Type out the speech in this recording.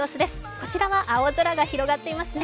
こちらは青空が広がっていますね。